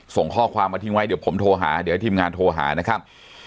ส่งข้อความมาทิ้งไว้เดี๋ยวผมโทรหาเดี๋ยวให้ทีมงานโทรหานะครับ